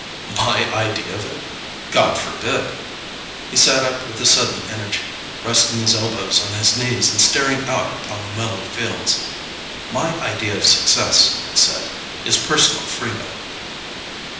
"My idea of it? God forbid!" He sat up with sudden energy, resting his elbows on his knees and staring out upon the mellow fields. "My idea of success," he said, "is personal freedom."